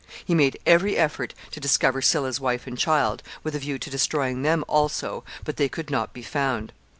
He made every effort to discover Sylla's wife and child, with a view to destroying them also, but they could not be found.